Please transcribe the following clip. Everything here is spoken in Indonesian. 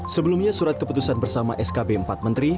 sebelumnya surat keputusan bersama skb empat menteri